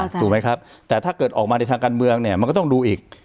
ถูกไหมครับแต่ถ้าเกิดออกมาในทางการเมืองเนี่ยมันก็ต้องดูอีก